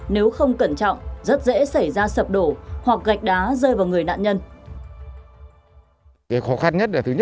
nếu không cẩn trọng rất dễ xảy ra sập đổ hoặc gạch đá rơi vào người nạn nhân